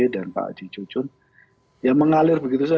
dan pak haji cucun ya mengalir begitu saja